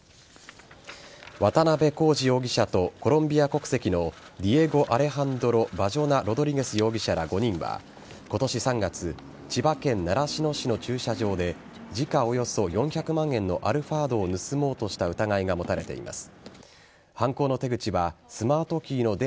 渡辺功二容疑者とコロンビア国籍のディエゴ・アレハンドロ・バジョナ・ロドリゲス容疑者ら５人は今年３月千葉県習志野市の駐車場で時価、およそ４００万円のアルファードを盗もうとした疑いが持たれています。